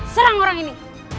serang orang ini